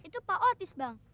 itu pak otis bang